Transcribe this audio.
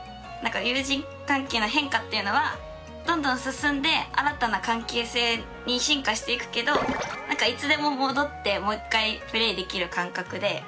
友人関係の変化っていうのはどんどん進んで新たな関係性に進化していくけどいつでも戻ってもう一回プレーできる感覚で。